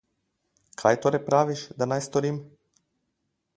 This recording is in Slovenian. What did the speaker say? Kaj torej praviš, da naj storim?